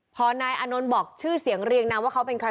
พอนายอานนท์บอกชื่อเสียงเรียงนามว่าเขาเป็นใคร